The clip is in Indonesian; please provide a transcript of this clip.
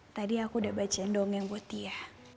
tadi aku udah baca dong yang buat dia